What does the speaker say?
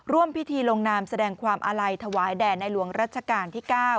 ร่วมพิธีลงนามแสดงความอาลัยถวายแด่ในหลวงรัชกาลที่๙